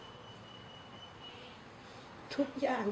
แล้วบอกว่าไม่รู้นะ